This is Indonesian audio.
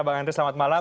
bang andre selamat malam